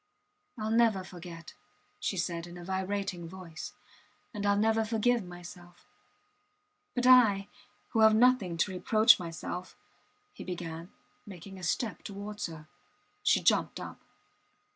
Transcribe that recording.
Ill never forget, she said in a vibrating voice. And Ill never forgive myself. ... But I, who have nothing to reproach myself ... He began, making a step towards her. She jumped up.